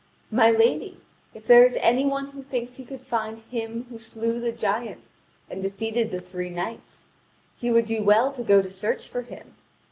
"My lady, if there is any one who thinks he could find him who slew the giant and defeated the three knights, he would do well to go to search for him.